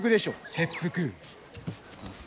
切腹。